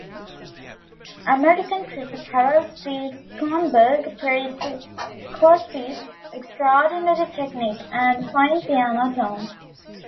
American critic Harold C. Schonberg praised Kocsis' extraordinary technique and fine piano tone.